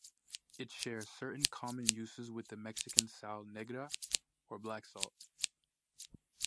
It shares certain common uses with the Mexican sal negra or black salt.